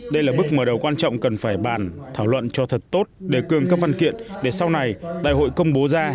đây là bước mở đầu quan trọng cần phải bàn thảo luận cho thật tốt đề cương các văn kiện để sau này đại hội công bố ra